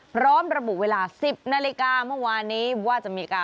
พร้อมระบุเวลา๑๐นาฬิกาเมื่อวานนี้